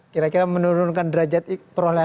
kira kira menurunkan derajat perolehan